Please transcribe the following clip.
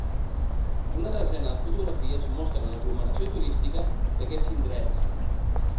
Una desena de fotografies mostren l’aglomeració turística d’aquests indrets.